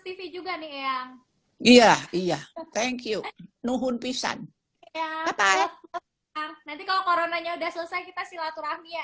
tv juga nih yang iya iya thank you nuhun pisan nanti kalau coronanya udah selesai kita silaturahmi ya